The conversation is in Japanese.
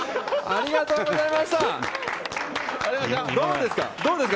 ありがとうございます。